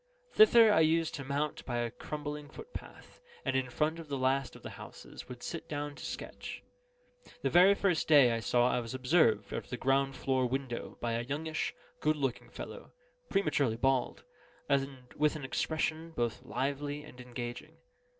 Thither I used to mount by a crumbling footpath, and in front of the last of the houses, would sit down to sketch. The very first day I saw I was observed, out of the ground floor window by a youngish, good looking fellow, prematurely bald, and with an expression both lively and engaging.